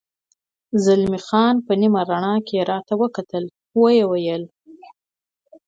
زلمی خان په نیمه رڼا کې راته وکتل، ویې ویل.